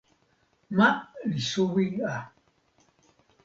ma li suwi a.